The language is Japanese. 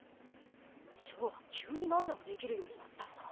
翔急に何でもできるようになったよな。